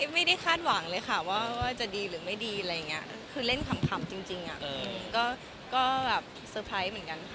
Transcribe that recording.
ไม่ได้คาดหวังเลยค่ะว่าจะดีหรือไม่ดีคือเล่นขำจริงก็เซอร์ไพรส์เหมือนกันค่ะ